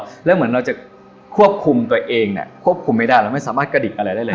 แล้วเหมือนเราจะควบคุมตัวเองเนี่ยควบคุมไม่ได้เราไม่สามารถกระดิกอะไรได้เลย